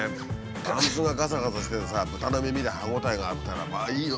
バンズがガサガサしててさ豚の耳で歯応えがあったらいいよ！